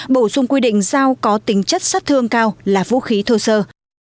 bổ sung quy định giao có tính chất sát thương cao là vũ khí thơ sơ